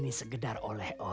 tuhan yang menjaga kita